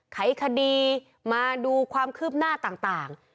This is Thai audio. ไขคดีมาดูความคืบหน้าต่าง